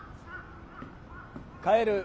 帰る。